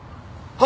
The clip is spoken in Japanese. はい！